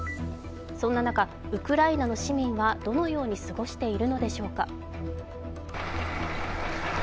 そんな中、ウクライナの市民はどのように過ごしているのでしょうか。